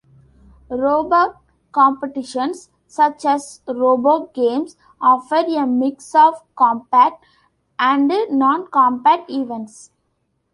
Robot competitions such as RoboGames, offer a mix of combat and non-combat events.